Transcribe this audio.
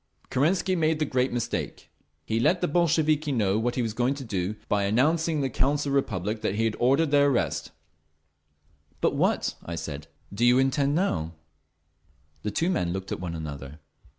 Kerensky made the great mistake. He let the Bolsheviki know what he was going to do by announcing in the Council of the Republic that he had ordered their arrest…. "But what," I said, "do you intend to do now?" The two men looked at one another.